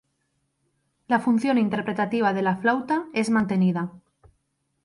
La función interpretativa de la flauta es mantenida.